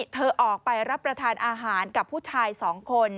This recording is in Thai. เธอออกไปรับประทานอาหารกับผู้ชาย๒คน